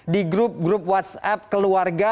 di grup grup whatsapp keluarga